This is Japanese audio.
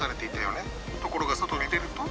ところが外に出ると。